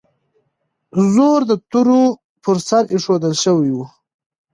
زور د تورو پر سر ایښودل شوی و.